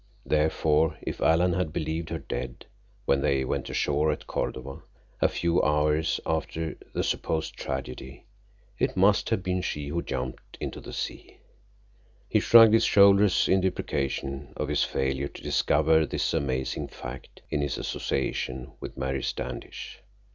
Therefore, if Alan had believed her dead when they went ashore at Cordova, a few hours after the supposed tragedy, it must have been she who jumped into the sea. He shrugged his shoulders in deprecation of his failure to discover this amazing fact in his association with Mary Standish.